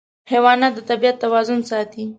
حیوانات د طبیعت توازن ساتي.